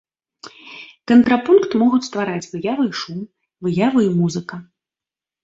Кантрапункт могуць ствараць выява і шум, выява і музыка.